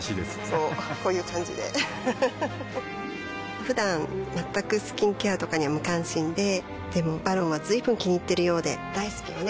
こうこういう感じでうふふふだん全くスキンケアとかに無関心ででも「ＶＡＲＯＮ」は随分気にいっているようで大好きよね